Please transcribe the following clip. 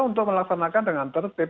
untuk melaksanakan dengan tertib